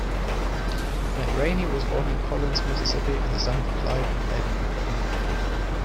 McRaney was born in Collins, Mississippi, the son of Clyde and Edna McRaney.